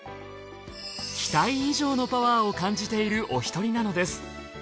期待以上のパワーを感じているお一人なのです。